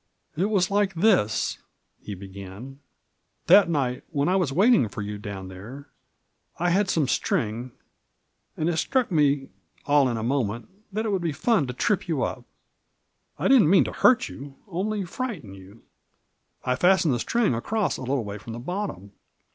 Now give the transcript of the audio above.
"It was like this," he began: "that Digitized by VjOOQIC MARJORY. Ill night, when I was waiting for you down there r I had some string, and it struck me, all in a moment, that it woxdd be fun to trip you up. I didn't mean to hurt you— only frighten you. I fastened the string across a little way from the bottom.